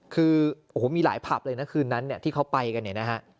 คือโอ้โหมีหลายผับเลยนะคืนนั้นเนี่ยที่เขาไปกันเนี่ยนะฮะ